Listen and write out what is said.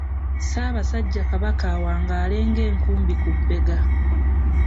Ssaabasajja Kabaka Awangaale ng'Enkumbi ku bbega.